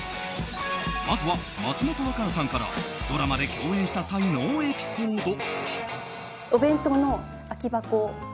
まずは松本若菜さんからドラマで共演した際のエピソード。